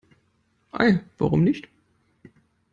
Ei, warum nicht?